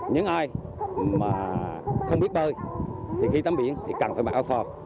những ai mà không biết bơi thì khi tắm biển thì cần phải mặc áo phò